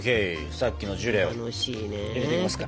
さっきのジュレを入れていきますか。